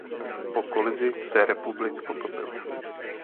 Po kolizi se "Republic" potopil.